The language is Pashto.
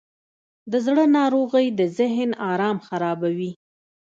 د زړه ناروغۍ د ذهن آرام خرابوي.